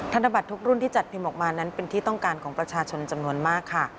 ธนบัตรทุกรุ่นที่จัดพิมพ์ออกมานั้นเป็นที่ต้องการของประชาชนจำนวนมากค่ะ